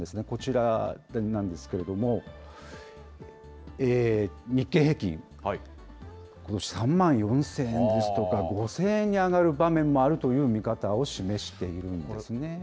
こちらなんですけれども、日経平均、ことし３万４０００円ですとか、５０００円に上がる場面もあるという見方を示しているんですね。